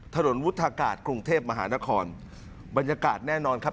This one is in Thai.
วุฒากาศกรุงเทพมหานครบรรยากาศแน่นอนครับ